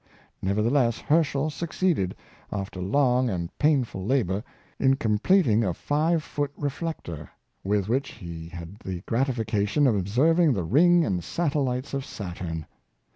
Nevertheless, Herschel succeeded, after long and painful labor, in completing a five foot reflector, with which he had the gratification of observing the rino^ and satellites of Saturn.